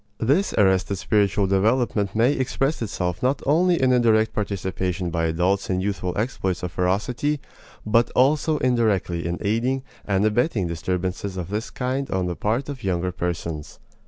This arrested spiritual development may express itself not only in a direct participation by adults in youthful exploits of ferocity, but also indirectly in aiding and abetting disturbances of this kind on the part of younger persons.